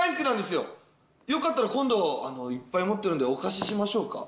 よかったら今度いっぱい持ってるんでお貸ししましょうか？